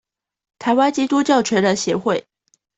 臺灣基督教全人協會